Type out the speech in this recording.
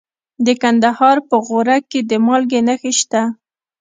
د کندهار په غورک کې د مالګې نښې شته.